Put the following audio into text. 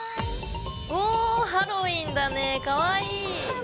おハロウィーンだねぇかわいい！